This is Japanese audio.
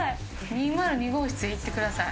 「２０２号室へ行ってください」。